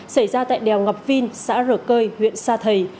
xảy ra tại đèo ngọc vin xã r cơi huyện sa thầy